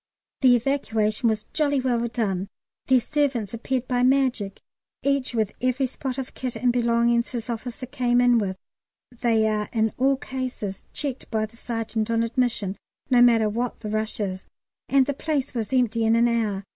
The evacuation was jolly well done; their servants appeared by magic, each with every spot of kit and belongings his officer came in with (they are in all cases checked by the Sergeant on admission, no matter what the rush is), and the place was empty in an hour.